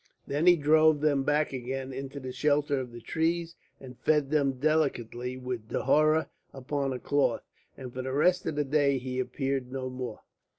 Then he drove them back again into the shelter of the trees, and fed them delicately with dhoura upon a cloth; and for the rest of the day he appeared no more.